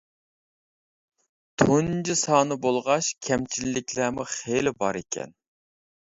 تۇنجى سانى بولغاچ كەمچىللىكلەرمۇ خېلى بار ئىكەن.